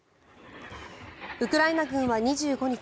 ウクライナ軍は２５日